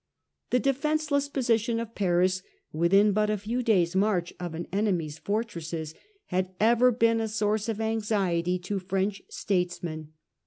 The defenceless position of Paris, within but a few days' march of an enemy's fortresses, had ever been a Aim of source of anxiety to French statesmen.